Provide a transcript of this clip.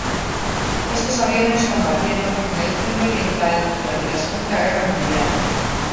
Estos aviones combatieron en el Frente Oriental durante la Segunda Guerra Mundial.